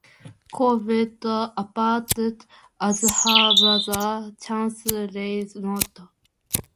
Corbett appeared as her brother, Chance Reynolds.